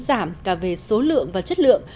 giảm cả về số lượng và chất lượng